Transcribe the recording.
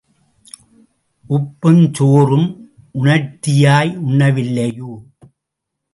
உப்பும் சோறும் உணர்த்தியாய் உண்ணவில்லையோ?